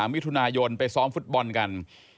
๒๓วิทุณายนร์ไปซ้อมฟุตบอลกัน